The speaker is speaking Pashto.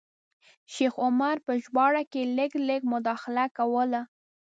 شیخ عمر په ژباړه کې لږ لږ مداخله کوله.